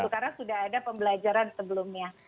karena sudah ada pembelajaran sebelumnya